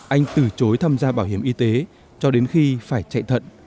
anh từ chối tham gia bảo hiểm y tế cho đến khi phải chạy thận